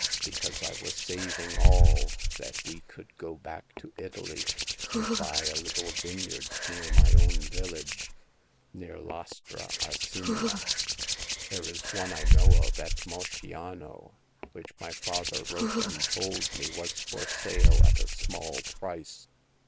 " Because I was saving all, that we could go back to Italy and buy a little vineyard near my own village — near Lastra a Signa. There is one I know of at Mosciano, which my father wrote and told me was for sale at a small price.